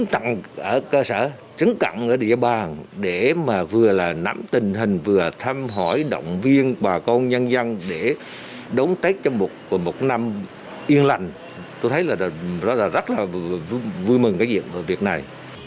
trung úy vũ nói rằng trong một năm yên lặng tôi thấy rất vui mừng việc này